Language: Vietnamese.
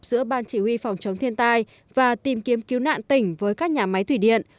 giữa ban chỉ huy phòng chống thiên tai và tìm kiếm cứu nạn tỉnh với các nhà máy thủy điện